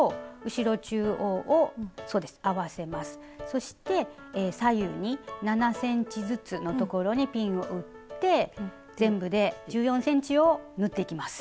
そして左右に７ｃｍずつの所にピンを打って全部で１４ｃｍを縫っていきます。